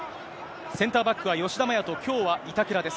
センターバックは吉田麻也と、きょうは板倉です。